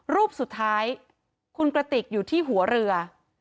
รูปสุดท้ายคุณกระติกอยู่ที่หัวเรือ